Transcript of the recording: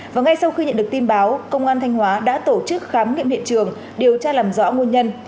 và ngay sau khi nhận được tin báo công an thanh hóa đã tổ chức khám nghiệm hiện trường điều tra làm rõ nguồn nhân